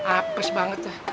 apas banget ya